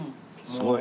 すごい！